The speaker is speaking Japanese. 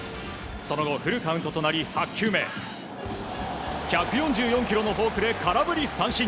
その後フルカウントとなり８球目１４４キロのフォークで空振り三振。